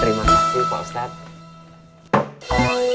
terima kasih pak ustadz